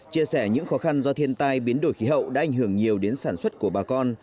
chia sẻ những khó khăn do thiên tai biến đổi khí hậu đã ảnh hưởng nhiều đến sản xuất của bà con